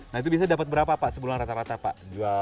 nah itu bisa dapat berapa pak sebulan rata rata pak